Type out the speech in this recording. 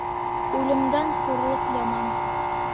Үлемдән хурлыҡ яман.